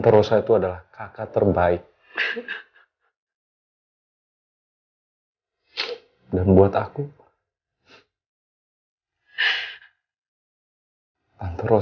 aku sudah reminder aku tante